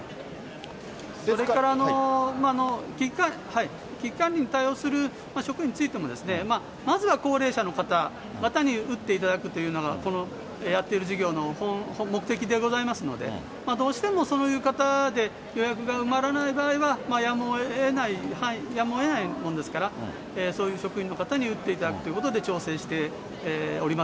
それから危機管理に対応する職員についても、まずは高齢者の方に打っていただくというのが、このやっている事業の目的でございますので、どうしてもそういう方で予約が埋まらない場合は、やむをえないものですから、そういう職員の方に打っていただくということで、調整しておりま